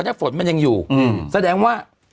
ถ้าฝนมันยังอยู่แสดงว่า